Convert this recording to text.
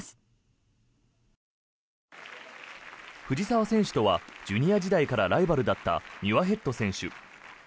藤澤選手とはジュニア時代からライバルだったミュアヘッド選手。